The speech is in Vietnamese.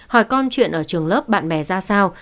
hỏi con chuyện ở trường lớp bạn bè ra sao